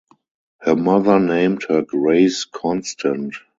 Her mother named her Grace Constant.